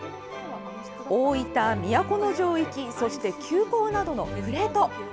大分、都城行きそして、急行などのプレート。